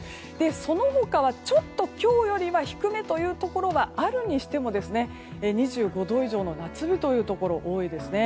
その他は、ちょっと今日よりは低めというところがあるにしても２５度以上の夏日というところが多いですね。